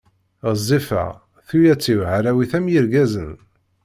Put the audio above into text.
Ɣezzifeɣ, tuyat-iw hrawit am yirgazen.